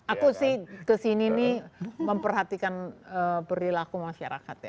aku sih kesini nih memperhatikan perilaku masyarakat ya